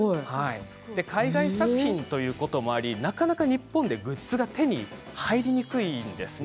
海外作品ということもあってなかなか日本でグッズが手に入りにくいんですね。